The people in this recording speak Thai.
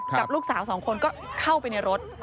กับลูกสาวสองคนก็เข้าไปในรถ